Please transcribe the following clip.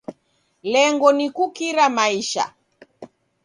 Lengo ni kukira maisha.